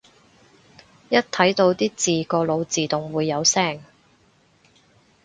一睇到啲字個腦自動會有聲